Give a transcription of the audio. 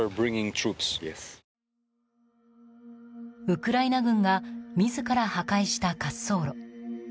ウクライナ軍が自ら破壊した滑走路。